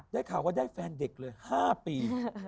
ได้ข่าวว่าได้แฟนเด็กเลย๕ปี